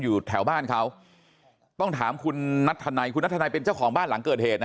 อยู่แถวบ้านเขาต้องถามคุณนัทธนัยคุณนัทธนัยเป็นเจ้าของบ้านหลังเกิดเหตุนะ